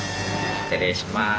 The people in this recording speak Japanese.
失礼します。